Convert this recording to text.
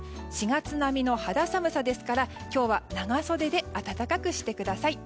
４月並みの肌寒さですから今日は長袖で暖かくしてください。